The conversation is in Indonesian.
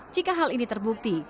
jika hal ini terbukti